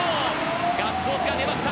ガッツポーズが出ました。